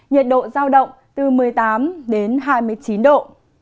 nhiệt độ giao động từ một mươi tám đến hai mươi chín độ